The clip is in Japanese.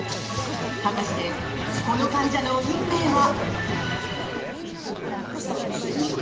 果たして、この患者の運命は。